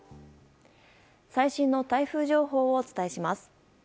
最新の台風情報をお伝えします。